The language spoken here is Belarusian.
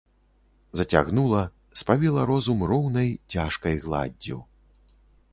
Зацягнула, спавіла розум роўнай, цяжкай гладдзю.